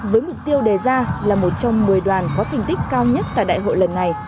với mục tiêu đề ra là một trong một mươi đoàn có thành tích cao nhất tại đại hội lần này